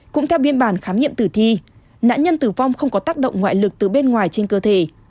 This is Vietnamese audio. cũng theo biên bản khám nghiệm tử thi nạn nhân tử vong không có tác động ngoại lực từ bên ngoài trên cơ thể